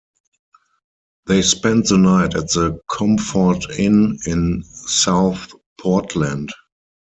They spent the night at the Comfort Inn in South Portland.